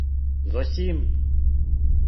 — Зосим!